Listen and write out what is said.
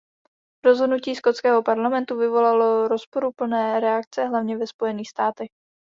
Rozhodnutí skotského parlamentu vyvolalo rozporuplné reakce hlavně ve Spojených státech.